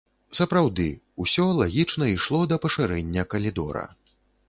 Сапраўды, усё лагічна ішло да пашырэння калідора.